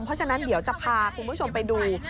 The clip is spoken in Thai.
เพราะฉะนั้นเดี๋ยวจะพาคุณผู้ชมไปดู